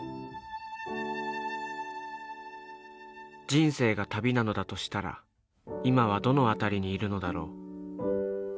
人生が旅なのだとしたら今はどの辺りにいるのだろう。